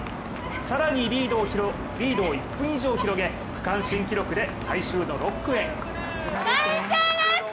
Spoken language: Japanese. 更にリードを１分以上広げ区間記録で最終の６区へ。